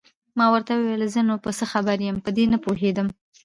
ما ورته وویل: زه نو څه په خبر یم، په دې نه پوهېږم.